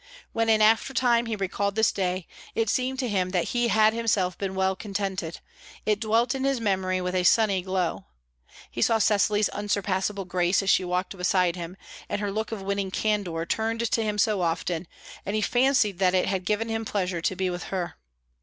When in after time he recalled this day, it seemed to him that he had himself been well contented; it dwelt in his memory with a sunny glow. He saw Cecily's unsurpassable grace as she walked beside him, and her look of winning candour turned to him so often, and he fancied that it had given him pleasure to be with her.